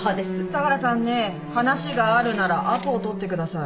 佐柄さんね話があるならアポを取ってください。